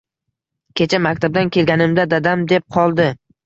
Kecha maktabdan kelganimda dadam deb qoldi